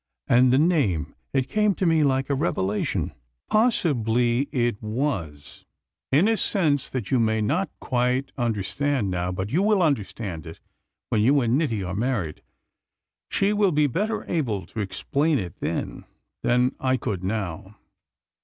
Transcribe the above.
And the name: it came to me like a revelation." "Possibly it was, in a sense that you may not quite understand now, but you will understand it when you and Niti are married. She will be better able to explain it then than I could now."